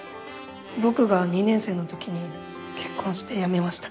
僕が２年生の時に結婚して辞めました。